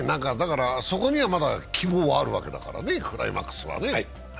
そこにはまだ、希望はあるわけだからね、クライマックスは。